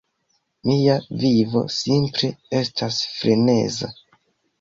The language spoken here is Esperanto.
Mia vivo simple estas freneza